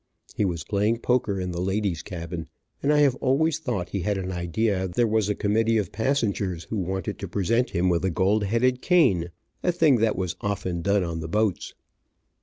He was playing poker in the ladies' cabin, and I have always thought he had an idea there was a committee of passengers who wanted to present him with a gold headed cane, a thing that was often done on the boats.